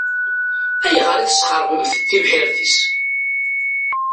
Ayɣer i tesxeṛbemt tibḥirt-is?